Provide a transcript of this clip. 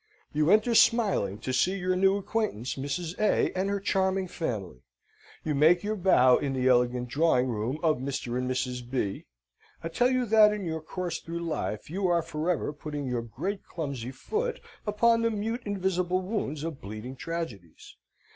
You enter smiling to see your new acquaintance, Mrs. A. and her charming family. You make your bow in the elegant drawing room of Mr. and Mrs. B.? I tell you that in your course through life you are for ever putting your great clumsy foot upon the mute invisible wounds of bleeding tragedies.